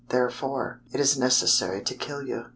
Therefore, it is necessary to kill you."